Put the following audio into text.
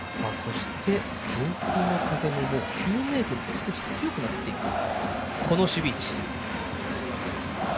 上空の風も９メートルと強くなってきています。